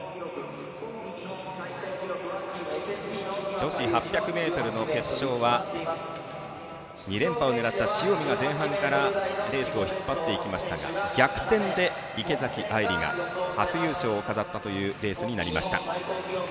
女子８００ｍの決勝は２連覇を狙った塩見が前半からレースを引っ張っていきましたが逆転で池崎愛里が初優勝を飾ったレースになりました。